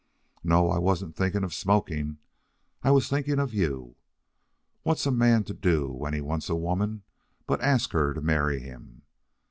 "No, I wasn't thinking of smoking. I was thinking of you. What's a man to do when he wants a woman but ask her to marry him?